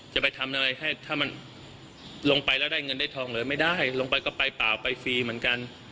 จะไปทำอะไรให้ถ้ามันลงไปแล้วได้เงินได้ทองเลยไม่ได้ลงไปก็ไปเปล่าไปฟรีเหมือนกัน